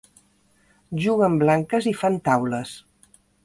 Juguen blanques i fan taules.